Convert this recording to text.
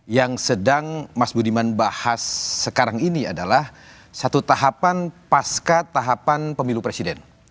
yang sedang mas budiman bahas sekarang ini adalah satu tahapan pasca tahapan pemilu presiden